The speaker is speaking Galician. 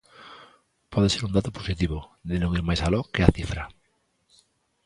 Pode ser un dato positivo de non ir máis aló que a cifra.